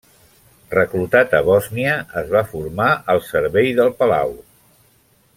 Reclutat a Bòsnia, es va formar al servei del palau.